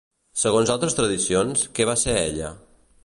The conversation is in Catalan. Segons altres tradicions, què va ser ella?